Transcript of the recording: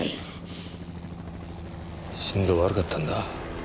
心臓悪かったんだ。